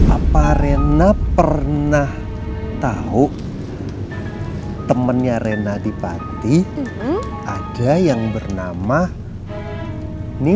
apa rena pernah tahu temennya rena di panti ada yang bernama nindi